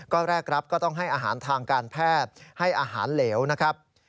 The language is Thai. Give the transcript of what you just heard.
ก็แรกรับก็ต้องให้อาหารทางการแพทย์ให้อาหารเหลวนะครับ